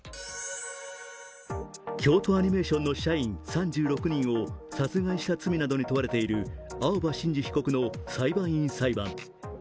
京都アニメーションの社員３６人を殺害した罪などに問われている青葉真司被告の裁判員裁判。